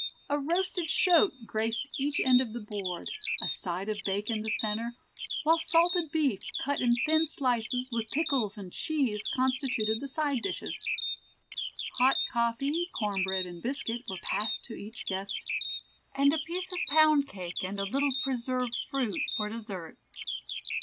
A roasted "shoat" graced each end of the board, a side of bacon the centre, while salted beef, cut in thin slices, with pickles and cheese, constituted the side dishes. Hot coffee, corn bread and biscuit were passed to each guest, and a piece of pound cake and a little preserved fruit for dessert.